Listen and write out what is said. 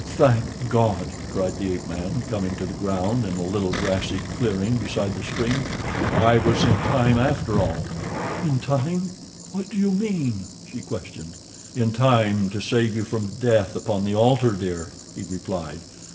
"Thank God!" cried the ape man, coming to the ground in a little grassy clearing beside the stream. "I was in time, after all." "In time? What do you mean?" she questioned. "In time to save you from death upon the altar, dear," he replied.